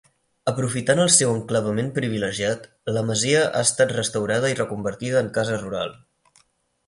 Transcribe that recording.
Aprofitant el seu enclavament privilegiat, la masia ha estat restaurada i reconvertida en Casa Rural.